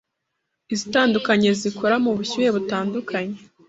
izitandukanye zikora mubushyuhe butandukanye